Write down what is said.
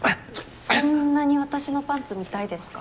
そんなに私のパンツ見たいですか？